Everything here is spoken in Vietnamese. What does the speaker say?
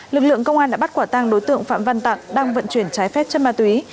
lực lượng công an đã bắt quả tăng đối tượng phạm văn tặng đang vận chuyển trái phép chất ma túy